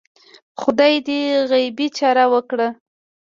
خدای دې غیبي چاره وکړه